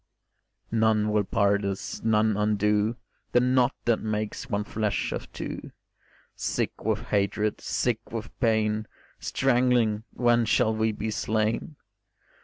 None will part us, none undo The knot that makes one flesh of two, Sick with hatred, sick with pain, Strangling When shall we be slain?